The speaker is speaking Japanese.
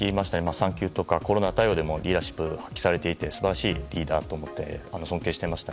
産休やコロナ対応でもリーダーシップ発揮されていて素晴らしいリーダーだと思って尊敬していました。